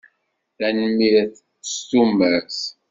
Tanemmirt. S tumert.